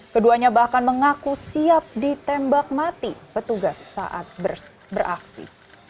keduanya bahkan mengaku siap ditembak mati petugas saat beraksi